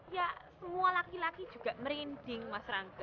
ya semua laki laki juga merinding mas rangka